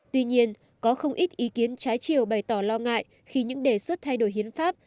tuy nhiên có không ít ý kiến trái chiều bày tỏ lo ngại khi những đề xuất thay đổi hiến pháp